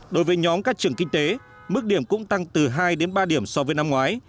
đối với nhóm các trường kinh tế mức điểm cũng tăng từ hai đến ba điểm so với năm ngoái